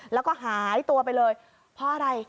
แล้วก็หายตัวไปเลยเพราะอะไร